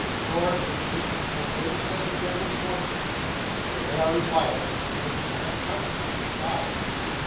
Nor is this the full extent of their misfortunes; for they are required to furnish an account of them besides.